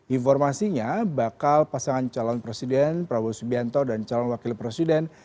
informasinya bakal pasangan calon presiden prabowo subianto dan calon wakil presiden